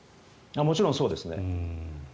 もちろんそうですね。